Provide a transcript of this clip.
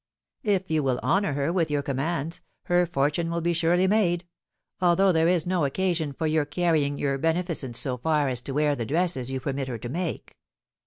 If you will honour her with your commands, her fortune will be surely made; although there is no occasion for your carrying your beneficence so far as to wear the dresses you permit her to make."